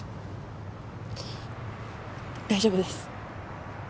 大丈夫です。